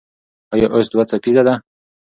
ایا اوس دوه څپیزه ده؟